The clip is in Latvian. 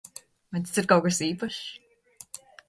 Vai tas ir kaut kas īpašs?